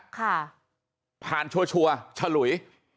ฃานชัวฉลุย